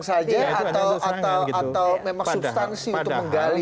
itu hanya untuk menyerang saja atau memang substansi untuk menggali